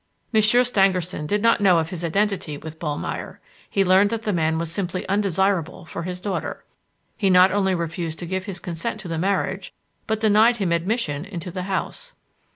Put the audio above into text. Monsieur Stangerson did not know of his identity with Ballmeyer; he learned that the man was simply undesirable for his daughter. He not only refused to give his consent to the marriage but denied him admission into the house.